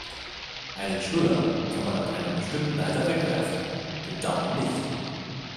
Einen Schnuller kann man ab einem bestimmten Alter wegwerfen, den Daumen nicht.